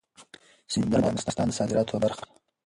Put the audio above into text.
سیندونه د افغانستان د صادراتو برخه ده.